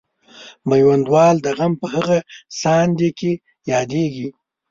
میوندوال د غم په هغه ساندې کې یادیږي.